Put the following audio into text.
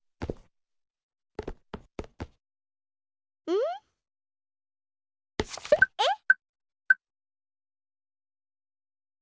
うん？えっ？